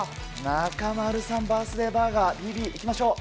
中丸さん、バースデーバーガー、いきましょう。